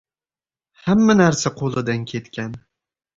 hamma narsa qo‘ldan ketgan